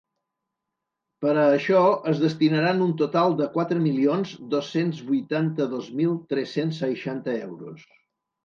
Per a això es destinaran un total de quatre milions dos-cents vuitanta-dos mil tres-cents seixanta euros.